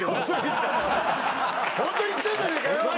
ホントに行ってんじゃねえかよ